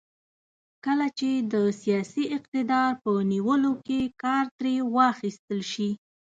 کله چې د سیاسي اقتدار په نیولو کې کار ترې واخیستل شي.